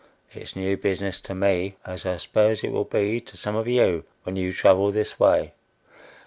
It's new business to me, as I suppose it will be to some of you when you travel this way.